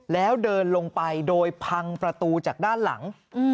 แล้วเดินลงไปโดยพังประตูจากด้านหลัง